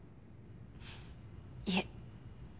いえ。